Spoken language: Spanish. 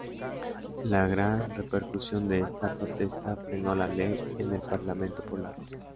La gran repercusión de esta protesta frenó la ley en el parlamento polaco.